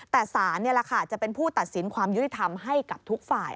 แต่สารนี่แหละค่ะจะเป็นผู้ตัดสินความยุติธรรมให้กับทุกฝ่าย